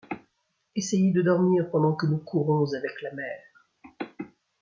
Essayez de dormir, pendant que nous courons avec la mer !